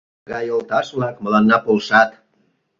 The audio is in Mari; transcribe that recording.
Тыгай йолташ-влак мыланна полшат.